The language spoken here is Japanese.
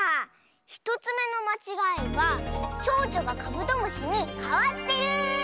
１つめのまちがいはちょうちょがカブトムシにかわってる！